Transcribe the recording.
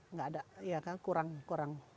nggak ada ya kan kurang